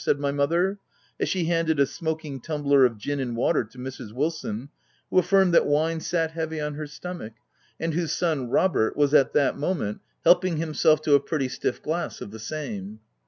said my mother, as she handed a smoking tumbler of gin and water to Mrs. Wilson, who affirmed that wine sat heavy on her stomach, and whose son Hobert was at VuL I. E 74 THE TENANT that moment helping himself to a pretty stiff glass of the same.